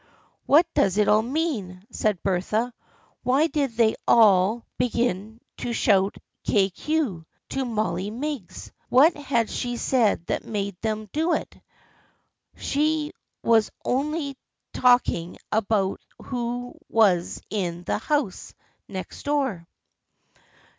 " What does it all mean ?" said Bertha. " Why did they all 62 THE FRIENDSHIP OF ANNE begin to shout 1 Kay Cue ' to Molly Meigs ? What had she said that made them do it ? She was only talking about who was in the house next door."